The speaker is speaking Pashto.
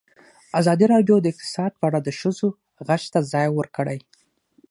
ازادي راډیو د اقتصاد په اړه د ښځو غږ ته ځای ورکړی.